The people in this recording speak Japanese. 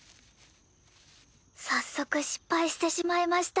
早速失敗してしまいました。